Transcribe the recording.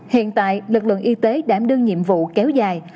hiện tại lực lượng y tế đã đưa nhiệm vụ kéo dài